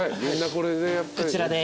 こちらで。